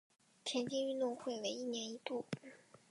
田径运动会为一年一度。